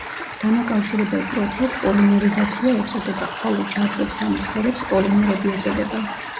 დამაკავშირებელ პროცესს პოლიმერიზაცია ეწოდება, ხოლო ჯაჭვებს ანუ ქსელებს პოლიმერები ეწოდება.